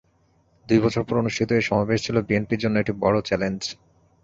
দুই বছর পর অনুষ্ঠিত এই সমাবেশ ছিল বিএনপির জন্য একটি বড় চ্যালেঞ্জ।